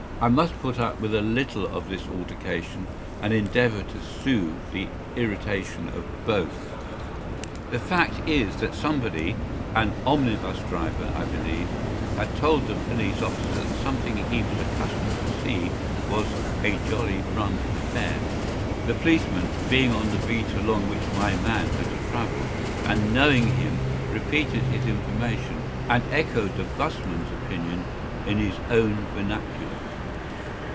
I must put up with a little of this altercation, and endeavour to soothe the irritation of both. The fact is, that somebody—an omnibus driver, I believe—had told the police officer that something he was accustomed to see was “a jolly rum affair.” The policeman, being on the beat along which my man had to travel, and knowing him, repeated his information, and echoed the ’busman’s opinion in his own vernacular.